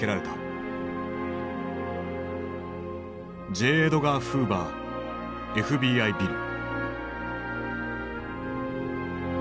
「Ｊ・エドガー・フーバーＦＢＩビル」。